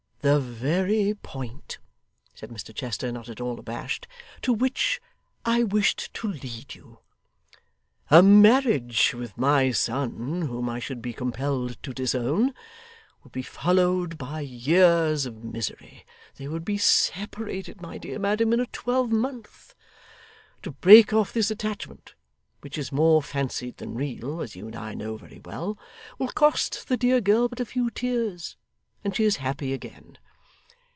'The very point,' said Mr Chester, not at all abashed, 'to which I wished to lead you. A marriage with my son, whom I should be compelled to disown, would be followed by years of misery; they would be separated, my dear madam, in a twelvemonth. To break off this attachment, which is more fancied than real, as you and I know very well, will cost the dear girl but a few tears, and she is happy again.